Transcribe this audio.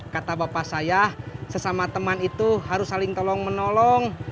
kata bapak saya sesama teman itu harus saling tolong menolong